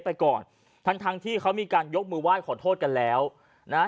ไปก่อนทั้งทั้งที่เขามีการยกมือไหว้ขอโทษกันแล้วนะฮะ